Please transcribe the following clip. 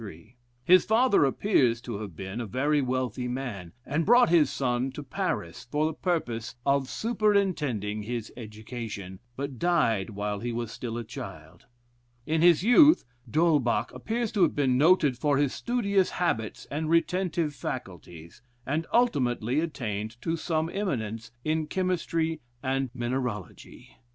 His father appears to have been a very wealthy man, and brought his son to Paris, for the purpose of superintending his education, but died white he was still a child. In his youth, D'Holbach appears to have been noted for his studious habits and retentive faculties, and ultimately attained to some eminence in chemistry and mineralogy.